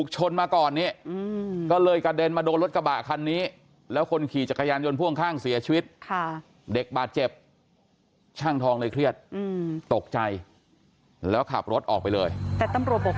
ช่างทองเลยเครียดตกใจแล้วขับรถออกไปเลยแต่ตำรวจบอก